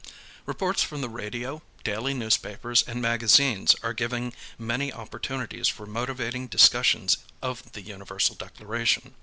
Reports from the radio, daily newspapers, and magazines are giving many opportunities for motivating discussions of the Universal Declaration.